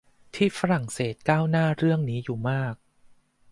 ที่ฝรั่งเศสก้าวหน้าเรื่องนี้อยู่มาก